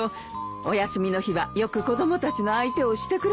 お休みの日はよく子供たちの相手をしてくれましたよ。